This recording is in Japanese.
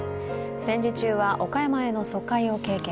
戦時中は岡山への疎開を経験。